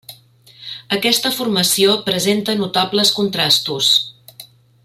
Aquesta formació presenta notables contrastos.